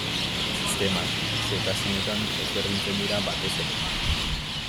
Sistemak xehetasunetan ezberdintzen dira batez ere.